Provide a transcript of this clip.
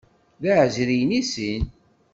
D iεeẓriyen i sin.